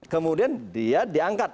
kemudian dia diangkat